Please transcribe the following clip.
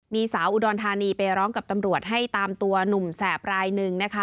มีสาวอุดรธานีไปร้องกับตำรวจให้ตามตัวหนุ่มแสบรายหนึ่งนะคะ